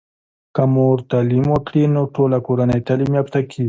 که مور تعليم وکړی نو ټوله کورنۍ تعلیم یافته کیږي.